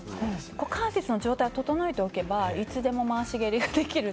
股関節の状態を整えておけば、いつでも回し蹴りができる。